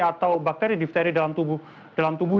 atau bakteri diphteri dalam tubuh